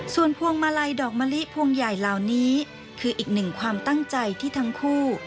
ส่วนพวงมาลัยดอกมะลิพวงใหญ่เหล่านี้คืออีกหนึ่งความตั้งใจที่ทั้งคู่